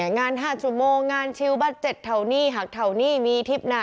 งาน๕ชั่วโมงงานชิลบัด๗เท่านี้หักเท่านี้มีทิพย์หน้า